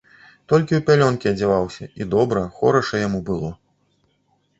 Толькі ў пялёнкі адзяваўся, і добра, хораша яму было.